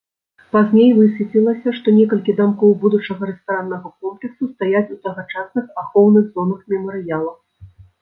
Пазней высветлілася, што некалькі дамкоў будучага рэстараннага комплексу стаяць у тагачасных ахоўных зонах мемарыяла.